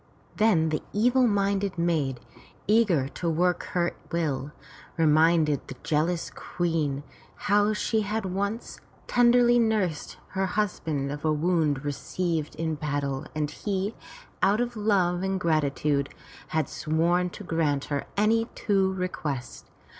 Then the evil minded maid, eager to work her will, reminded the jealous Queen how she once tenderly nursed her husband of a wound received in battle and he, out of love and gratitude, had sworn to grant her any two requests.